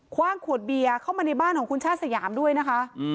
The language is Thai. ว่างขวดเบียร์เข้ามาในบ้านของคุณชาติสยามด้วยนะคะ